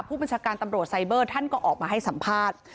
ผู้บัญชาการตำรวจไซเบอร์ท่านก็ออกมาให้สัมภาษณ์